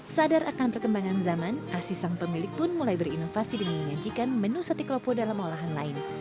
sadar akan perkembangan zaman asi sang pemilik pun mulai berinovasi dengan menyajikan menu sate klopo dalam olahan lain